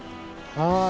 はい。